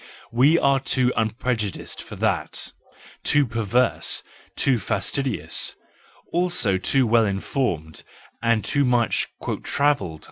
We are too unprejudiced for that, too perverse, too fastidious; also too well informed, and too much "travelled."